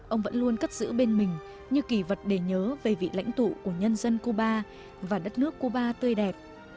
ông vẫn luôn cất giữ bên mình như kỳ vật để nhớ về vị lãnh tụ của nhân dân cuba và đất nước cuba tươi đẹp